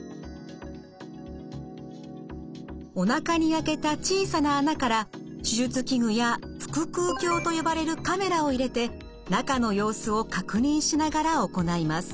おなかに開けた小さな穴から手術器具や腹くう鏡と呼ばれるカメラを入れて中の様子を確認しながら行います。